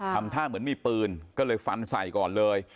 ทำท่าเหมือนมีปืนก็เลยฟันใส่ก่อนเลย